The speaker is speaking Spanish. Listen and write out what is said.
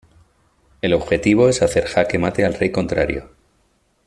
El objetivo es hacer jaque mate al rey contrario.